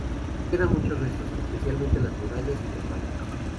Quedan muchos restos, especialmente las murallas y los baños.